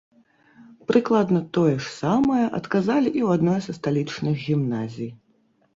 Прыкладна тое ж самае адказалі і ў адной са сталічных гімназій.